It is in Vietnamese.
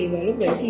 và lúc đấy thì